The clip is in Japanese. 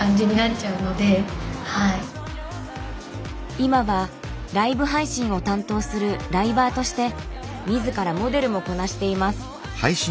今はライブ配信を担当するライバーとして自らモデルもこなしています。